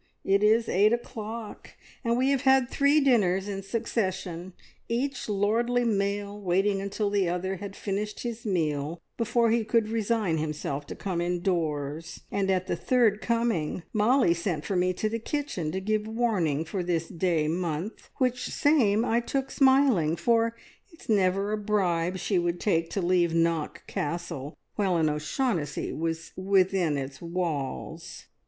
It is eight o'clock, and we have had three dinners in succession, each lordly male waiting until the other had finished his meal before he could resign himself to come indoors, and at the third coming Molly sent for me to the kitchen to give warning for this day month, which same I took smiling, for it's never a bribe she would take to leave Knock Castle while an O'Shaughnessy was within its walls.